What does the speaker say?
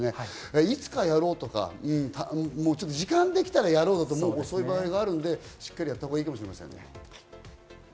いつかやろうとか、時間ができたらやろうだと遅い場合があるのでしっかりやったほうがいいかもしれませんね。